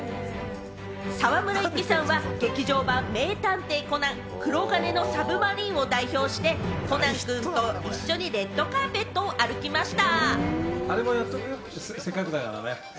沢村一樹さんは劇場版『名探偵コナン黒鉄の魚影』を代表してコナン君と一緒にレッドカーペットを歩きました。